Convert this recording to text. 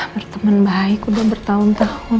berteman baik udah bertahun tahun